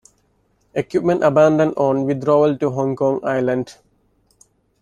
Equipment abandoned on withdrawal to Hong Kong island.